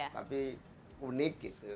tapi unik gitu